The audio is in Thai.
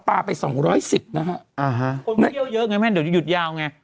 ไปสองร้อยสิบนะฮะอ่าฮะเยอะเยอะไงแม่เดี๋ยวจะหยุดยาวไง